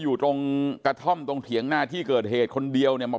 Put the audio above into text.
อยู่ตรงกระท่อมตรงเถียงหน้าที่เกิดเหตุคนเดียวเนี่ยมา